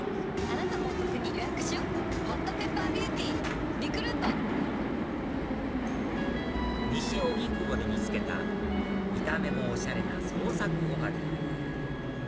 「エリエール」マスクも西荻窪で見つけた見た目もおしゃれな創作おはぎ